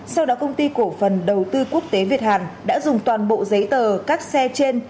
sau đó công ty cổ phần đầu tư quốc tế việt hàn đã dùng toàn bộ giấy tờ các xe trên